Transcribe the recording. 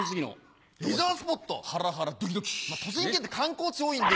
栃木県って観光地多いんで。